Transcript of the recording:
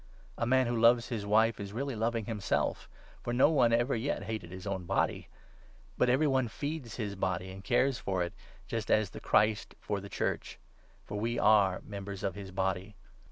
A man who loves his wife is really loving himself; for no one 29 ever yet hated his own body. But every one feeds his body and cares for it, just as the Christ for the Church ; for we are 30 members of his Body.